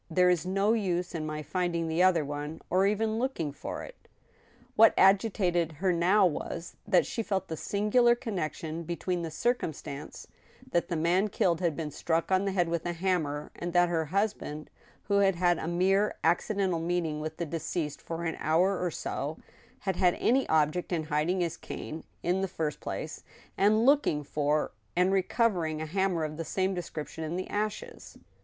* There is no use in my finding the other one; or even looking for'it." What agitated her now was, that she felt the singular connection between the circti instance that the man killed had been struck on the head with a hammer, and that her husband, who had had a mere accidental meeting with the deceased for an hour or so, had had any object in hiding his cane, in the first place, and looking for and re covering a hammer of the same description in the ashes.